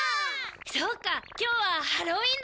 そうか今日はハロウィンだったね。